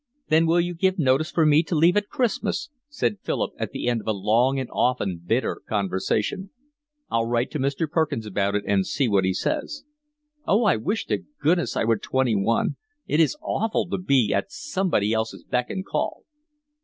"Then will you give notice for me to leave at Christmas?" said Philip, at the end of a long and often bitter conversation. "I'll write to Mr. Perkins about it and see what he says." "Oh, I wish to goodness I were twenty one. It is awful to be at somebody else's beck and call."